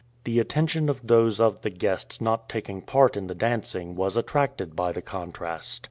The attention of those of the guests not taking part in the dancing was attracted by the contrast.